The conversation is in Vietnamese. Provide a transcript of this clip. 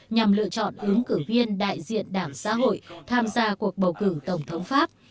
nhằm lựa chọn ứng cử viên đại diện đảng xã hội tham gia cuộc bầu cử tổng thống pháp